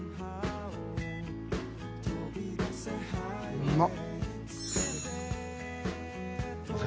うまっ！